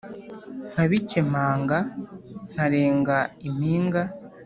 Nkabikempanga nkarenga impinga